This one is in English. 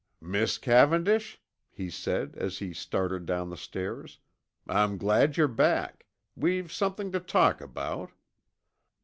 "Miss Cavendish," he said as he started down the stairs, "I'm glad you're back. We've something to talk about."